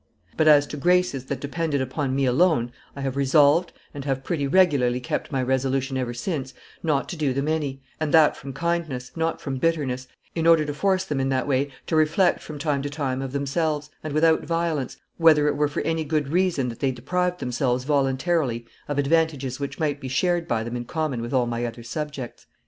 But as to graces that depended upon me alone, I have resolved, and I have pretty regularly kept my resolution ever since, not to do them any, and that from kindness, not from bitterness, in order to force them in that way to reflect from time to time of themselves, and without violence, whether it were for any good reason that they deprived themselves voluntarily of advantages which might be shared by them in common with all my other subjects."